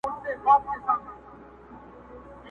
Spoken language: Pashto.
زما له زخمي کابله ویني څاڅي!!